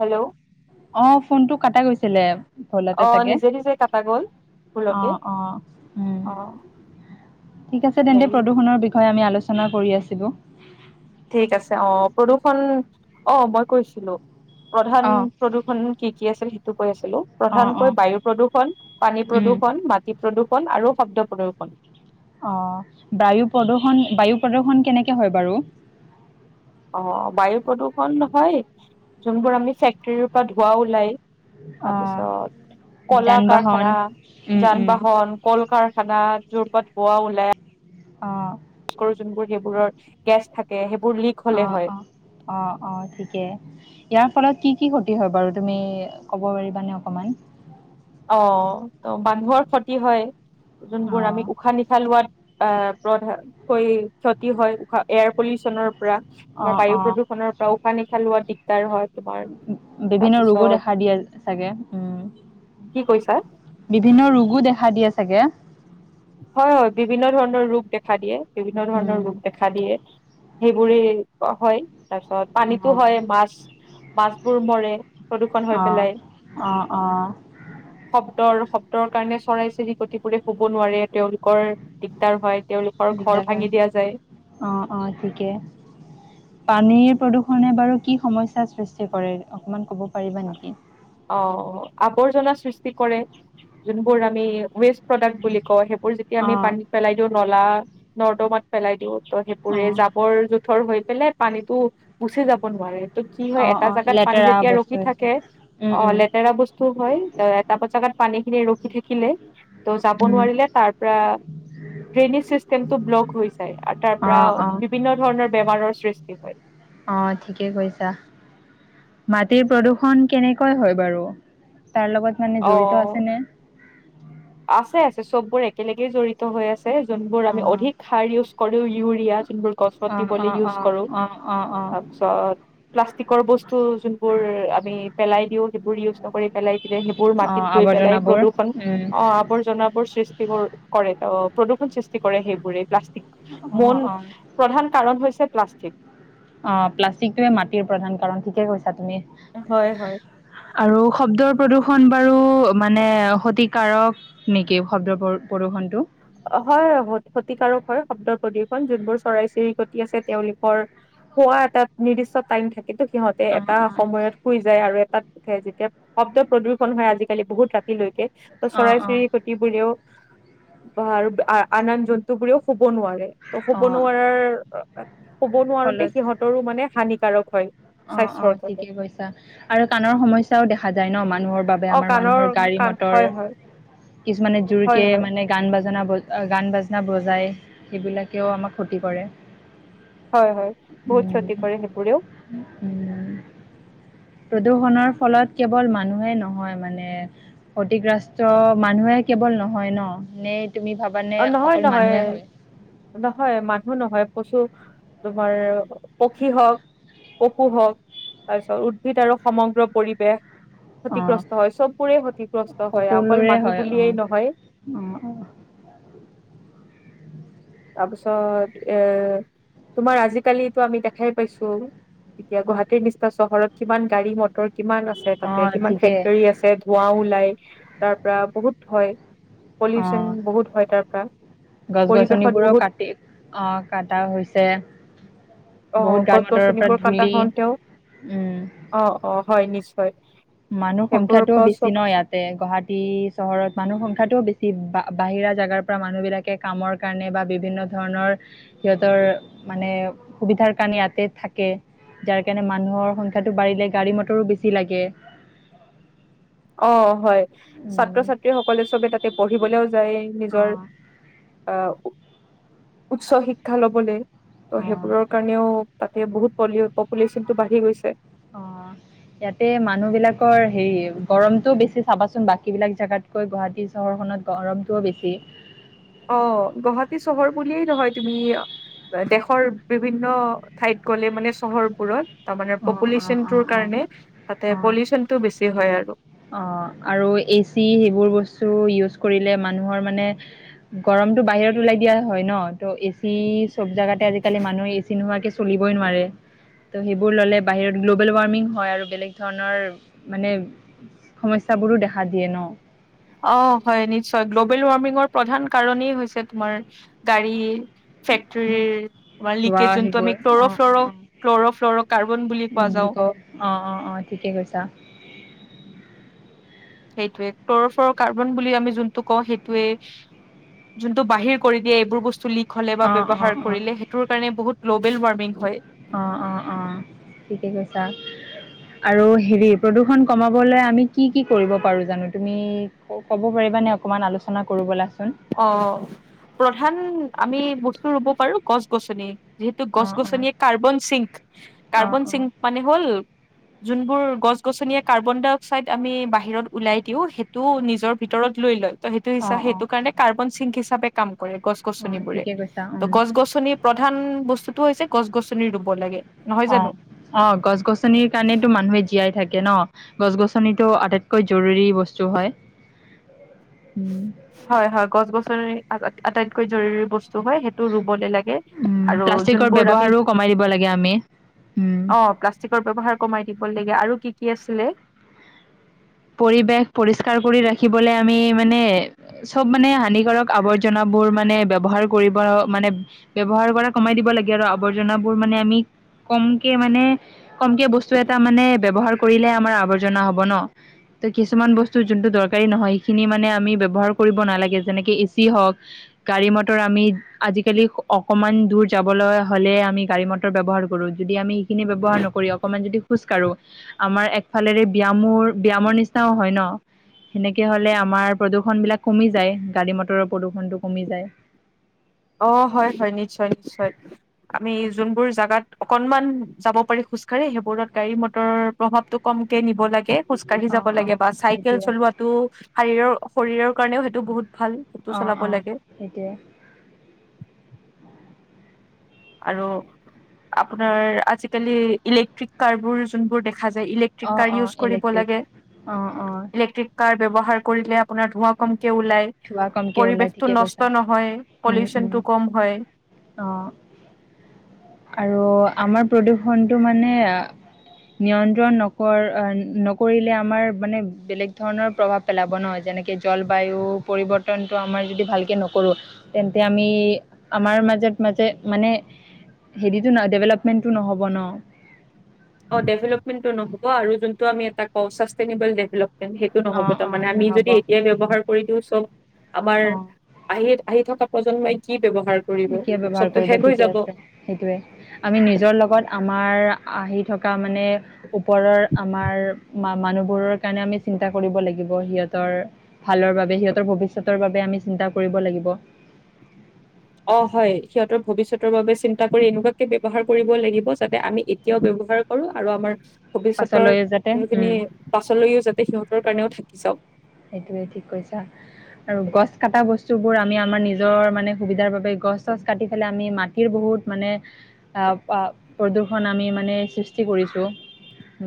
Hello অ'ফোনটো কটা গৈছিলে। ভুলতে অ চাগে। নিজে নিজে কটা গ'ল ভুলতে অ', অ', উম, অ ঠিক আছে তেন্তে হেৰি প্ৰদূষণৰ বিষয়ে আমি আলোচনা [unintelligible] ঠিক আছে অ' প্ৰদূৰ্ষণ, অ' মই কৈছিলো। প্ৰধান অ', প্ৰদূৰ্ষণ কি কি আছিল সেইটো কৈ আছিলো অ', প্ৰধানকৈ অ', বায়ু প্ৰদূষণ, পানী উম, প্ৰদূষণ, মাটি প্ৰদূষ [unintelligible] আৰু শব্দ প্ৰদূষণ। অ' বায়ু প্ৰদূষণ বায়ু প্ৰদূষণ কেনেকে হয় বাৰু। অ' বায়ু প্ৰদূষণ হয়, জোনবোৰ আমি ফেক্টৰীৰ পৰা ধোৱা ওলাই। অ', তাৰপিছত কলা যান বাহন কাৰখানা, উম, যান উম, বাহন, কল কাৰখানাত য'ৰ পোৱা ওলাই। অ'। কৰি জোনবোৰ সেইবোৰৰ গেছ থাকে সেই অ', অ', অ', অ', ঠিকে। ইয়া ফলত কি কি ক্ষতি হয় বাৰু তুমি ক'ব পাৰিবানে অকমান? অ' ত মানুহৰ ক্ষতি হয়। যোনবোৰ আমি অ', উশাহ- নিশাহ লোৱাত আ'হ প্ৰধানকৈ ক্ষতি হয়। উশাহ এয়াৰ পলিউচনৰ পৰা আমাৰ অ', বায়ু অ', প্ৰদূষণৰ পৰা উশাহ নিশা লোৱা দিগ তাৰো হয়। তোমাৰ বিভিন্ন ৰোগো তাৰপিছত দেখা দিয়ে চাগে। উ'ম। কি কৈছা বিভিন্ন ৰোগো দেখা দি আছে। ছাগে। হয়, হয় বিভিন্ন ধৰণৰ ৰোগ দেখা দিয়ে। বিভিন্ন ধৰণৰ উম ৰোগ দেখা দিয়ে। সেইবোৰে ক হয়। তাৰপিছত পানীতো হয় মাছ। মাছবোৰ মৰে। প্ৰদূৰ্ষণ হৈ অ পেলাই অ অ অ শব্দৰ শব্দৰ কাৰণে চৰাই -চিৰিকটিবোৰে শুব নোৱাৰে। তেওঁলোকৰ দিগদাৰ হয়। তেওঁলোকৰ ঘৰ দিগদাৰ ভাঙি দিয়া যায় অ' অ' ঠিকে পানীৰ প্ৰদূষণে বাৰু কি? সমস্যাৰ সৃষ্টি কৰে অকণমান ক'ব পাৰিবা নেকি? অ' আৱৰ্জনা সৃষ্টি কৰে। যোনবোৰ আমি ৱেষ্ট প্ৰডাক্ট বুলি কওঁ। সেই বোৰ যেতিয়া অ আমি পানীত পেলাই দিওঁ। নলা নৰ্দমাত পেলাই দিওঁ। তই অ সেইবোৰে জাবৰ -জোথৰ হৈ পেলাই। পানীতো গুচি যাব নোৱাৰে। ত' কি হয় অ এটা অ জাগাত পানী লেতেৰা যেতিয়া ৰখি বস্তু হৈছে থাকে। উম অ' উম লেতেৰা বস্তু হয় ।এটা জাগাত পা পানীখিনি ৰখি থাকিলে। ত' যাব উম নোৱাৰিলে ।তাৰ পৰা ড্ৰেইনেজ চিষ্টেম টো ব্লক হৈ যায় আৰু তাৰ অ পৰা অ বিভিন্ন ধৰণৰ বেমাৰৰ সৃষ্ট কি হয়? অ ঠিকে কৈছা মাটিৰ প্ৰদূ্ষণ কেনেকৈ হয় বাৰু? তাৰ লগত মানে জড়িত অ' আছেনে আছে আছে চববোৰ একেলগেই জড়িত হৈ আছে যোনবোৰ অ আমি অধিক সাৰ কোৰৌ ইউৰিয়াা চোন গছ অ দিব অ অ ইজ কৰো অ অ অ তাৰপিছত প্লাষ্টিকৰ বস্তু যোনবোৰ আমি পেলাই দিও সেইবোৰ ইউজ নকৰি পেলাই তেতিয়া সেইবোৰ অ মাটিত গৈ পেলাই আৱৰ্জনাবোৰ প্ৰদূষণ অ', উম আৱৰ্জনাবৰ সৃষ্টি কৰে অ প্ৰদূষণ সৃষ্টি কৰে সেইবোৰে প্লাষ্টি অ মন অ প্ৰধান কাৰণ হৈছে প্লাষ্টিক। অ', প্লাষ্টিকটোয়ে মাটিৰ প্ৰধান কাৰণ ঠিকে কৈছে। হয় হয় তুমিআৰু শব্দৰ প্ৰদূষণ বাৰু মানে ক্ষতিকাৰক নেকি, শব্দবোৰ? হয় ক্ষতিকাৰক হয় শব্দৰ প্ৰদৰ্শন যোনবোৰ চৰাই চিৰিকটি আছে তেওঁলোকৰ হোৱা এটা নিৰ্দিষ্ট টাইম থাকে। কিন্তু সিহঁতে অ এটা অ সময়ত শুই যায় আৰু এটা যেতিয়া শব্দ প্ৰদূষন হয় আজিকালি বহুত ৰাতিলৈকে অ ত'চৰাই অ চিৰিকিটোবোৰেও অঁ, আ [unintelligible] হ'ব নোৱাৰে, ত' অ হ'ব নোৱাৰাৰ হ'ব নোৱাৰোতে ফলত সিহঁতৰো মানে হানিকাৰক হয়। অ', স্বাস্থ্যৰ অ', কাৰণে ঠিকে কৈছা আৰু কাণৰ সমস্যাও দেখা যায় ন মান অ মাৰ কাণৰ মানুহৰ গাড়ী কাণ মৰ হয় হয় কিছুমানে জোৰক হয় হয় মানে গান বজ গান বাজনা বজায় সেইবিলাকেও আমাক ক্ষতি কৰে। হয় হয় বহুত উম ক্ষতি কৰে সেইবোৰেও। প্ৰদূৰ্ষণৰ ফলত কেৱল মানুহে নহয় মানে ক্ষতিগ্ৰস্ত মানুহে কেৱল নহয় ন নে তুমি ভাবানে অ', নহয় অকল নহয় মানুহে হয় নহয় মানুহ নহয়। কৈছোঁ তোমাৰ পক্ষী হওক পশু হওক তাৰপিছত উদ্ভিদ আৰু সমগ্ৰ পৰিৱেশ অঁ ক্ষতিগ্ৰস্ত হয় চববোৰে ক্ষতিগ্ৰস্ত হয় অকল সকলোৰে মানুহ হয় অঁ বুলিয়েই নহয়। অঁ অঁ তাৰপিছত এ তোমাৰ আজিকালিতো আমি দেখাই পাইছো এতিয়া গুৱাহাটীৰ নিচিনা চহৰত কিমান গাড়ী মটৰ কিমান আছে তাতে অঁ কিমান ঠিকেই ফেক্টৰী আছে ধোৱাও ওলাই। তাৰ পৰা বহুত হয়। পলিউচন অঁ বহুত হয় তাৰ পৰা পৰিৱেশ বোৰো কাটি অ', কাটা হৈছে। অ', বহুত গাড়ী মটৰৰ পৰা গছ-গছনিবোৰ কাটা ধূলি হওঁতেও, উম অ', -অ' । হয়, নিশ্চয়। মানুহ সেইবোৰৰ সংখ্যাটো পৰা বেছি চব ন' ইয়াতে গুৱাহাটী চহৰত মানুহৰ সংখ্যাটো বেছি বা বাহিৰা জেগাৰ পৰা মানুহবিলাকে কামৰ কাৰণে বা বিভিন্ন ধৰণৰ সিহঁতৰ মানে সুবিধাৰ কাৰণে ইয়াতে থাকে। যাৰ কাৰণে মানুহৰ সংখ্যাটো বাঢ়িলে গাড়ী, মটৰো বেছি লাগে। অ' হয় ছাত্ৰ-ছাত্ৰী সকলে চবে তাতে পঢ়িবলৈও যায় নিজৰ অঁ অহ উচ্চ শিক্ষা ল'বলৈ ত' সেইবোৰৰ কাৰণেও তাত এয়া বহুত প'লিঅ'। অ' ইয়াতে মানুহ বিলাকৰ হেৰি গৰমটোও বেছি চাবাচোন, বাকীবিলাক জেগাতকৈ গুৱাহাটী চহৰখনত গৰমটোও বেছি । অ' গুৱাহাটী চহৰ বুলিয়েই নহয়, তুমি দেশৰ বিভিন্ন ঠাইত গ'লে মানে চহৰবোৰত। তাৰ মানে অঁ অঁ পপুলেশ্যন অঁ টোৰ অঁ কাৰণে তাতে অঁ পলিউচন টো বেছি হয় আৰু অ' আৰু এচি সেইবোৰ বস্তু ইউজ কৰিলে মানুহৰ মানে গৰমতটো বাহিৰত ওলাই দিয়া হয় ন ত' এচি চব জাগাতে আজিকালি মানুহ এচি নোহোৱাকে চলিবই নোৱাৰে ত' সেইবোৰ ল'লে বাহিৰত গ্ল'বেল ৱাৰ্মিং হয় আৰু বেলেগ ধৰণৰ মানে সমস্যাবোৰো দেখা দিয়ে ন' । অ' হয় নিশ্চয়, গ্ল'বেল ৱাৰ্মিঙৰ প্ৰধান কাৰণেই হৈছে তোমাৰ গাড়ী। ফেক্টৰীৰ আমাৰ ধোৱা লিকেজ যোনটো সেইবোৰ আমি অ' ক্লৰফ্লৰ, অ' অ' ক্লৰফ্লৰ কাৰ্বন বুলি কোৱা যাও। কওঁ অ' অ' অ' ঠিকে কৈছা সেইটোৱে ক্ল'ৰফৰ কাৰ্বন বুলি আমি যোনটো কওঁ, সেইটোয়ে যোনটো বাহিৰ কৰি দিয়ে এইবোৰ বস্তু লিগ হ'লে বা অ' অ' ব্যৱহাৰ অ' কৰিলে সেইটোৰ কাৰণে বহুত গ্লবেল ৱাৰ্মিং হয়। অ'- অ'- অ' ঠিকে কৈছা আৰু হেৰি প্ৰদূষণ কমাবলৈ আমি কি, কি কৰিব পাৰো জানো তুমি ক'ব পাৰিবানে অকমান আলোচনা কৰো বলাচোন। অ' প্ৰধান আমি বস্তু ৰুব পাৰো গছ-গছনি। যিহেতু অ অ গছ-গছনিয়ে কাৰ্বন চিংক, অ কাৰ্বন চিংক মানে হ'ল যোনবোৰ গছ-গছনিয়ে কাৰ্বন-ডাই- অক্সাইড আমি বাহিৰত উওলাই দিও, সেইটোও নিজৰ ভিতৰত লৈ লয়। ত' সেইটো অ অ হিচা অ সেইটো কাৰণে সিং হিচাপ কাম অ গছ-গছনি বোৰে, ঠিকে কৈছা তো উম গছ-গছনি প্ৰধান টো হৈছে গছ-গছনি ৰুব লাগে। নহয় অ জানো? অ গছ গছনিৰ কাৰণেতো মানুহে জীয়াই থাকে তাকে ন গছ গছনিটো আটাইতকৈ জৰুৰী বস্তু হয় উম হয় হয় গছ গছনি আ আটাইতকৈ জৰুৰী বস্তু হয় সেইটো ৰুবলৈ লাগে অ উম আৰু প্লাষ্টিকৰ যিবোৰ ব্যৱহাৰো কমাই দিব লাগে আমি উম অ প্লাষ্টিকৰ ব্যৱহাৰ কমাই দিব লাগে আৰু কি কি আে নে [unintelligible] পৰিৱেশ পৰিষ্কাৰ কৰি ৰাখিবলে আমি মানে চব মানে হানিকাৰক আৱৰ্জনাবোৰ মানে ব্যৱহাৰ কৰিব মানে ব্যৱহাৰ কৰা কমাই দিব লাগে আৰু আৱৰ্জনাবোৰ মানে আমি কমকে মানে কমকে বস্তু এটা মানে ব্যৱহাৰ কৰিলেহ আমাৰ আৱৰ্জনা হ'ব ন! ত কিছুমান বস্তু যোনটো দৰকাৰী নহয় সেইখিনি মানে আমি ব্যৱহাৰ কৰিব নালাগে যেনেকে এচি হওঁক গাড়ী মটৰ আমি আজিকালি অকমান দূৰ যাবলৈ হলে আমি গাড়ী মটৰ ব্যৱহাৰ কৰো যদি আমি সেইখিনি ব্যৱহাৰ নকৰি অকমান যদি খোজ কঢ়ো আমাৰ একফালেৰে ব্যয়ামোৰ ব্যয়ামৰ নিচিনাও হয় ন সেনেকে হলে আমাৰ প্ৰদূৰ্ষন বিলাক কমি যায় গাড়ী মটৰৰ প্ৰদূৰনটো কমি যায় অ হয় হয় নিশ্চয় নিশ্চয়। আমি যোনবোৰ জাগাত। অকনমান যাব পাৰি খোজকাঢ়ে সেইবোৰত গাড়ী মটৰৰ প্ৰভাৱতটো কমকে নিব লাগে। খোজ কাঢ়ি যাব অ', লাগে অ', বা চাইকেল সেইটোৱে চলোৱাটো শাৰীৰৰ শৰীৰৰ কাৰণেও সেইটো বহুত ভাল হেতু অ', চলাব অ', লাগে সেইটোৱে আৰু আপোনাৰ আজিকালি ইলেক্ট্ৰিক কাৰ বোৰ যোনবোৰ দেখ ইলেকট্ৰিক অ', কাৰ অ', উজ কৰিব ইলেক্ট্ৰিক লাগে অ', অ', ।ইলেকট্ৰিক কাৰ ব্যবহাৰ কৰিলে আপোনাৰ ধোঁৱা কম। ওলায় ধোৱা কমকে ওলাই পৰিবেশটো ঠিকে কৈছা। নষ্ট নহয় উম, পলিউচন উম, টো কম হয়। অ', আৰু আমাৰ প্ৰদূৰ্ষণতটো মানে নিয়ন্ত্ৰণ নকৰ নকৰিলে আমাৰ মানে বেলেগ ধৰণৰ প্ৰভাৱ পেলাব ন যেনেকে জলবায়ু। পৰিবৰ্তন আম ৰ যদি ভালকে নকৰোঁ তেন্তে আমি আমাৰ মাজ মাজে মানে হেৰি ডেভেলপমেন্টো নহ'ব ন । অ ডেভেলপমেটো নহ'ব আৰু যোনটো আমি এটা কও সেইটো নহব অঁ অঁ তাৰমানে আমি নহ'ব যদি এতিয়াই ব্যৱহাৰ কৰি [unintelligible] আমাৰ অঁ আহি আহি থকা প্ৰজন্মই কি ব্যৱহাৰ কৰিব কিয় ব্ৱহাৰ চবতো কৰিব শেষ হৈ ঠিকে যাব আছে সেইটোয়ে আমি নিজৰ লগত আমাৰ আহি থকা মানে ওপৰৰ আমাৰ মানুহবোৰৰ কাৰণে আমি চিন্তা কৰিব লাগিব সিহঁতৰ ভালৰ বাবে সিহঁতৰ ভৱিষ্যতৰ বাবে আমি চিন্তা কৰিব লাগিব। অ হয় সিহঁতৰ ভৱিষ্যতৰ বাবে চিন্তা কৰি এনেকুৱাকে ব্যৱহাৰ কৰিব লাগিব যাতে আমি এতিয়াও ব্যৱহাৰ কৰো আৰু আমাৰ পাছলৈ ভৱিষ্যতৰ যাতে যোনখিনি উম পাছলৈও যাতে সিহঁতৰ কাৰণেও থাকি যাওক। সেইটোৱে ঠিক কৈছা আৰু গছ কটা বস্তুবোৰ আমি আমাৰ নিজৰ মানে সুবিধাৰ বাবে গছ চছ কাটি পেলাই আমি মাটিৰ বহুত মানে আহ প্ৰদূৰষন আমি মানে সৃষ্টি কৰিছো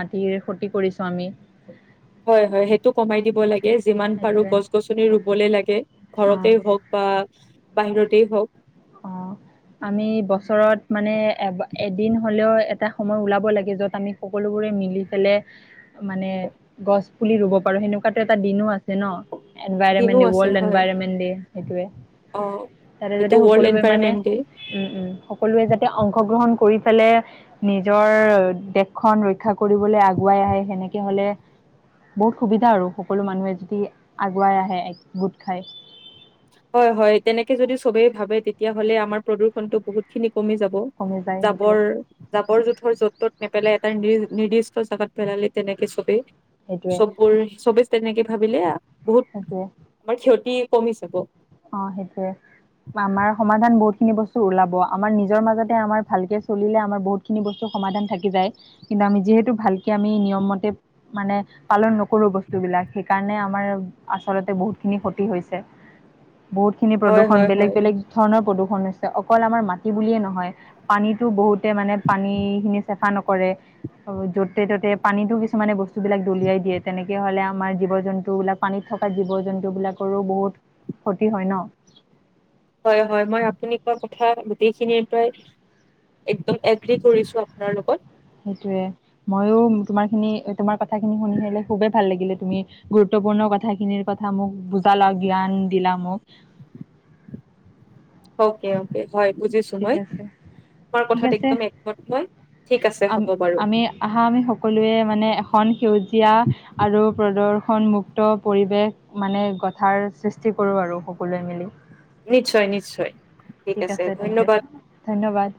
মাটিৰ ক্ষতি কৰিছো আমি। হয় হয় সেইটো কমাই দিব লাগে। যিমান পাৰো সেইটোৱে গছ গছনি ৰুবলে লাগে। অ ঘৰতেই হওক বা বাহিৰতেই হওক । অ আমি বছৰত মানে এ এদিন হলেও এটা সময় ওলাব লাগে যত আমি সকলোবোৰে মিলি পেলাই মানে গছ পুলি ৰুব পাৰো সেনেকুৱাতো এটা দিনো আছে ন। দিনো এনভাইৰমেন্ট দ আছে ৱৰ্ল্ড হয় এনভাইৰমেন্ট দ সেইটোৱে অ সেইটো ততে ৱৰ্ল্ড সকলোৱে মানে এনভাইৰনমেন্ট ডে উম উম! সকলোৱে যাতে অংশগ্ৰহণ কৰি পেলাই নিজৰ দেশখন ৰক্ষা কৰিবলৈ আগুৱাই আহে সেনেকে হলে বহুত সুবিধা আৰু সকলো মানুহে যদি আগুৱাই আহে গোট খাই। হয় হয় তেনেকে যদি চবেই ভাবে তেতিয়াহলে আমাৰ প্ৰদূষণতটো বহুত খিনি কমি যাব কমি যায় সেইটোৱে জাবৰ জাবৰ জোথৰ য'ত ত'ত নেপেলাই এটা নিৰ নিদিষ্ট জেগাত পেলালে তেনেকে চ'বে সেইটোৱে চবোৰ চবে তেনেকে ভাবিলে বহুত সেইটোৱে আমাৰ ক্ষতি কমি যাব। অ সেইটোৱে আমাৰ সমাধান বহুতখিনি বস্তু ওলাব আমাৰ নিজৰ মাজতে আমাৰ ভালকে চলিলে আমাৰ বহুতখিনি বস্তু সমাধান থাকি যায় কিন্তু আমি যিহেতু ভালকে আমি নিয়মমতে মানে পালন নকৰো বস্তু বিলাক সেইকাৰণে আমাৰ আচলতে বহুতখিনি ক্ষতি হৈছে। বহুত খিনি হয় প্ৰদূষণ হয় বেলেগ হয় বেলেগ ধৰণৰ প্ৰদূষণ অকল আমাৰ মাটি বুলিয়ে নহয় পানীতো বহুতে মানে পানী খিনি চেফা নকৰে য'তে ত'তে পানীতো কিছুমানে বস্তুবিলাক দলিয়াই দিয়ে তেনেকে হলে আমাৰ জীৱ জন্তু বিলাক পানীত থকা জীৱ জন্তু বিলাকৰো বহুত ক্ষতি হয় ন? হয় হয় ম আপুনি কোৱা কথা গোটেইখিনিয়ে প্ৰায় একদম এগ্ৰি কৰিছো আপোনাৰ লগত। সে মইো তোমাৰ খিনি তোমাৰ কথা খিনি শুনি আহিলে খুবেই ভাল লাগিলে তুমি গুৰুত্বপূৰ্ণ কথাখিনিৰ কথা মোক বুজালা জ্ঞান দিলা মোক। অ'কে অ'! ঠিক আছে তোমাৰ ঠিক কথাত আছে একদম একমত মই ঠিক আছে আ হ'ব বাৰু আমি আহা আমি সকলোৱে মানে এখন সেউজীয়া আৰু প্ৰদৰ্শন ষুণমুক্ত পৰিৱেশ মানে গথাৰ সৃষ্টি কৰোঁ আৰু সকলোৱে মিলি! নিশ্চয় নিশ্চয়। ঠিক আছে তেন্তে ধন্যবাদ।